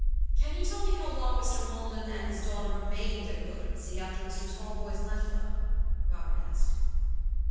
"Can you tell me how long Mr. Maldon and his daughter remained at Wildernsea after Mr. Talboys left them?" Robert asked.